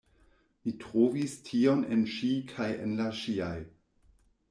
Mi trovis tion en ŝi kaj en la ŝiaj.